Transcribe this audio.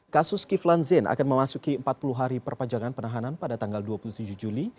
kasus kiflan zain akan memasuki empat puluh hari perpanjangan penahanan pada tanggal dua puluh tujuh juli